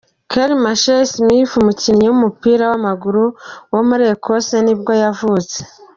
Craig Mackail-Smith, umukinnyi w’umupira w’amaguru wo muri Ecosse nibwo yavutse.